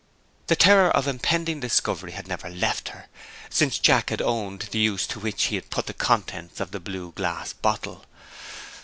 The terror of impending discovery had never left her, since Jack had owned the use to which he had put the contents of the blue glass bottle.